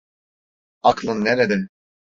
Aklın nerede?